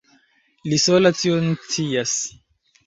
Li sola tion scias.